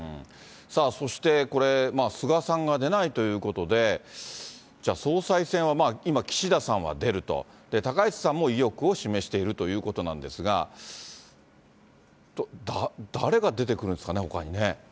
さあ、そしてこれ、菅さんが出ないということで、じゃあ、総裁選は今、岸田さんは出ると、高市さんも意欲を示しているということなんですが、誰が出てくるんですかね、ほかにね。